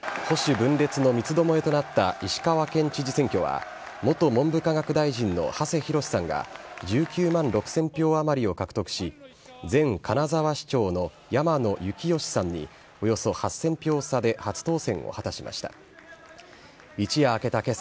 保守分裂の三つどもえとなった石川県知事選挙は、元文部科学大臣の馳浩さんが、１９万６０００票余りを獲得し、前金沢市長の山野之義さんにおよそ８０００票差で初当選を果たしました。